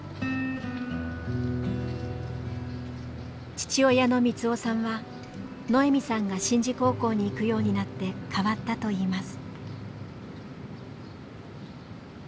父親のミツオさんはノエミさんが宍道高校に行くようになって変わったと言います。